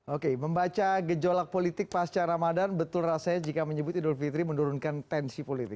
oke membaca gejolak politik pasca ramadan betul rasanya jika menyebut idul fitri menurunkan tensi politik